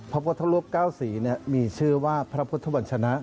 พระพุทธรูป๙สีมีชื่อว่าพระพุทธวัญชนะ